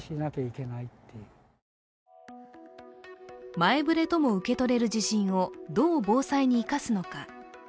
前触れとも受け取れる地震をどう防災に生かすのか。